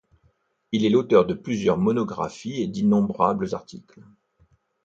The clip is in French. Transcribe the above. Il est l'auteur de plusieurs monographies et d'innombrables articles.